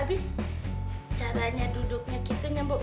habis caranya duduknya kitunya bu